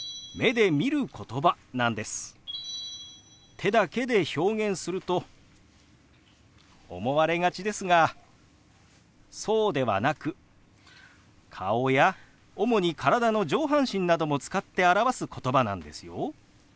手だけで表現すると思われがちですがそうではなく顔や主に体の上半身なども使って表すことばなんですよ。